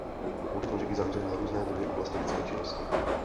Audit může být zaměřen na různé druhy oblasti lidské činnosti.